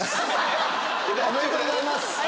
おめでとうございます。